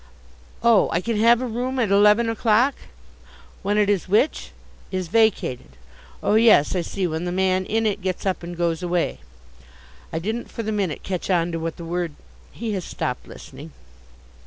Oh, I can have a room at eleven o'clock. When it is which? is vacated. Oh, yes, I see, when the man in it gets up and goes away. I didn't for the minute catch on to what the word He has stopped listening.